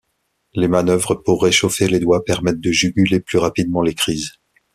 Les manœuvres pour réchauffer les doigts permettent de juguler plus rapidement les crises.